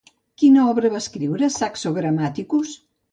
Quina obra va escriure Saxo Grammaticus?